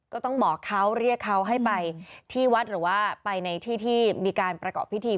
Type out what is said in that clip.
ก็ต้องบอกเขาเรียกเขาให้ไปที่วัดหรือว่าไปในที่ที่มีการประกอบพิธี